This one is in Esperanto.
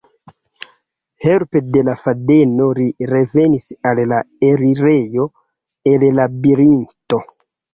Helpe de la fadeno li revenis al la elirejo el Labirinto.